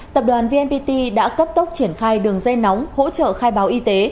tập đoàn vnpt đã cấp tốc triển khai đường dây nóng hỗ trợ khai báo y tế